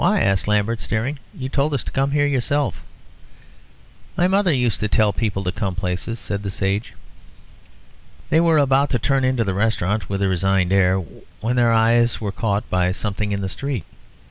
asked Lambert, staring. "You told us to come here yourself." "My mother used to tell people to come to places," said the sage. They were about to turn into the restaurant with a resigned air, when their eyes were caught by something in the street.